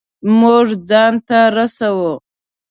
مونږ ځان ته رسو